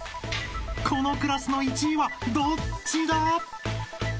［このクラスの１位はどっちだ？］